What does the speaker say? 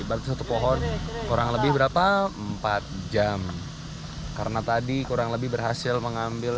berarti satu pohon kurang lebih berapa empat jam karena tadi kurang lebih berhasil mengambil